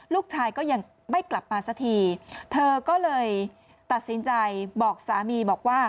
ลูกชายก็ยังไม่กลับมาสักทีเธอก็เลยตัดสินใจบอกสามีบอกว่า